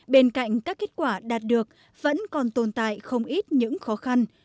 bên cạnh các kết quả đạt được vẫn còn tồn tại không ít những khó khăn